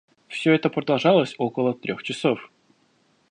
Все это продолжалось около трех часов.